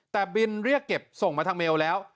แต่บินเรียกเก็บส่งมาทางเมลแล้ว